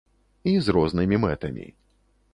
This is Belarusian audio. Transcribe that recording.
І з рознымі мэтамі.